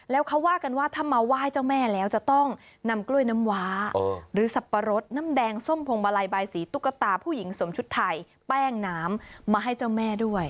แล้วเขาว่ากันว่าถ้ามาไหว้เจ้าแม่แล้วจะต้องนำกล้วยน้ำว้าหรือสับปะรดน้ำแดงส้มพวงมาลัยบายสีตุ๊กตาผู้หญิงสวมชุดไทยแป้งน้ำมาให้เจ้าแม่ด้วย